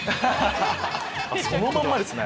そのまんまですね。